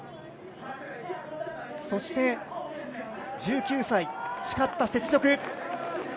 そして、１９歳、誓った雪辱。